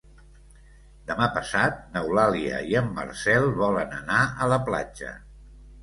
Demà passat n'Eulàlia i en Marcel volen anar a la platja.